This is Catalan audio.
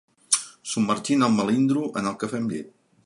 Submergint el melindro en el cafè amb llet.